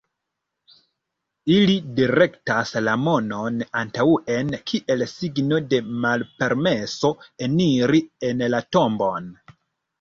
Ili direktas la manon antaŭen, kiel signo de malpermeso eniri en la tombon.